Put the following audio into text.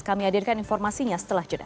kami hadirkan informasinya setelah jeda